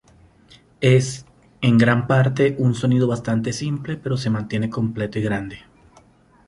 Es, en gran parte, un sonido bastante simple pero se mantiene completo y grande".